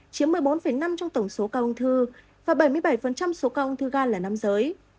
chiếm một mươi bốn năm trong tổng số ca ung thư và bảy mươi bảy số ca ung thư ga là nam giới